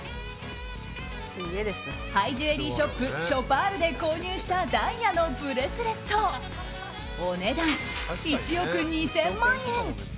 ハイジュエリーショップショパールで購入したダイヤのブレスレットお値段１億２０００万円。